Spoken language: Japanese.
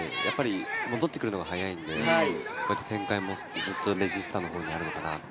戻ってくるのが速いので、展開もずっとレジスタのほうにあるのかなって。